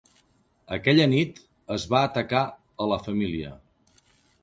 Aquella nit, es va atacar a la família.